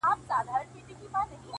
• له سپاهيانو يې ساتلم پټولم,